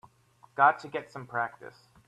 Got to get some practice.